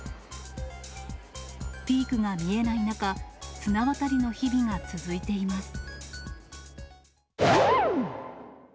ピークが見えない中、綱渡りの日々が続いています。